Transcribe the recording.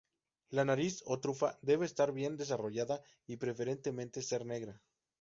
La nariz o trufa debe estar bien desarrollada y preferentemente ser negra.